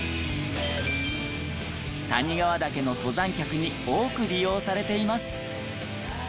谷川岳の登山客に多く利用されています。